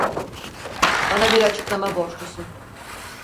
Bana bir açıklama borçlusun.